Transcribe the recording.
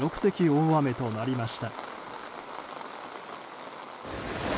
大雨となりました。